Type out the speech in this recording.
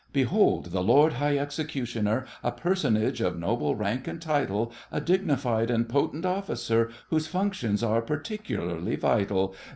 Behold the Lord High Executioner A personage of noble rank and title— A dignified and potent officer, Whose functions are particularly vital!